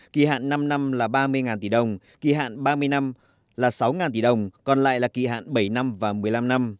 kỳ hạn năm năm là ba mươi tỷ đồng kỳ hạn ba mươi năm là sáu tỷ đồng còn lại là kỳ hạn bảy năm và một mươi năm năm